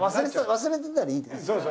忘れてたらいいんです。